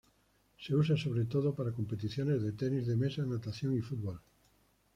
Se usa sobre todo para competiciones de tenis de mesa, natación y fútbol.